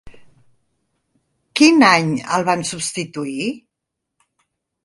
Quin any el van substituir?